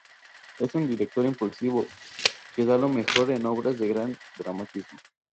Es un director impulsivo que da lo mejor en obras de gran dramatismo.